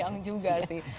sayang juga sih